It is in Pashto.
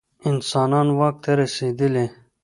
انسانان واک ته رسېدلي.